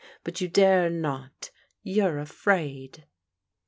But you dare not! You're afraid!"